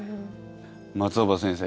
松尾葉先生